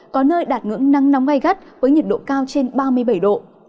có nơi đạt ngưỡng nắng nóng gai gắt với nhiệt độ cao trên ba mươi bảy độ